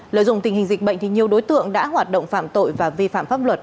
lợi dụng tình hình dịch bệnh thì nhiều đối tượng đã hoạt động phạm tội và vi phạm pháp luật